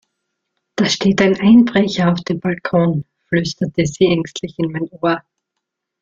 Da steht ein Einbrecher auf dem Balkon, flüsterte sie ängstlich in mein Ohr.